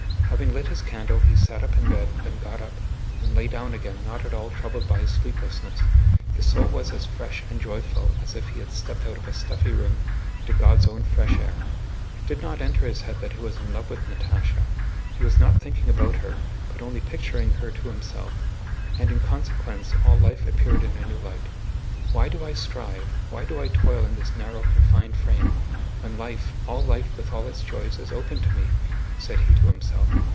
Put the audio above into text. Having lit his candle he sat up in bed, then got up, then lay down again not at all troubled by his sleeplessness: his soul was as fresh and joyful as if he had stepped out of a stuffy room into God's own fresh air. It did not enter his head that he was in love with Natásha; he was not thinking about her, but only picturing her to himself, and in consequence all life appeared in a new light. "Why do I strive, why do I toil in this narrow, confined frame, when life, all life with all its joys, is open to me?" said he to himself.